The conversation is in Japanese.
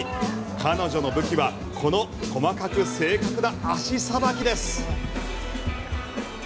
彼女の武器はこの細かく正確な足さばきです。